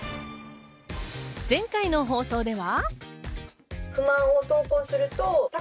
前回の放送では。